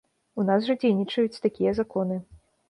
У нас жа дзейнічаюць такія законы.